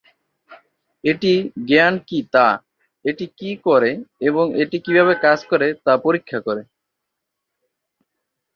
এটি জ্ঞান কী তা, এটি কী করে এবং এটি কীভাবে কাজ করে তা পরীক্ষা করে।